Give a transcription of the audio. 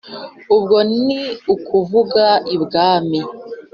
ubwo ni ukuvuga ibwami.